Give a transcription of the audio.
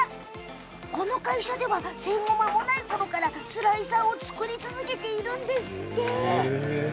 この会社では戦後まもないころからスライサーを作り続けているんですって。